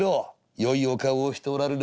よいお顔をしておらるる。